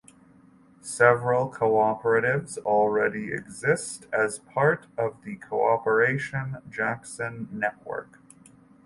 Several cooperatives already exist as part of the Cooperation Jackson network.